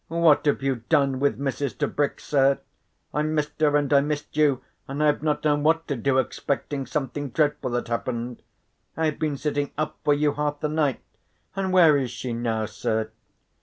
"What have you done with Mrs. Tebrick, sir? I missed her, and I missed you, and I have not known what to do, expecting something dreadful had happened. I have been sitting up for you half the night. And where is she now, sir?"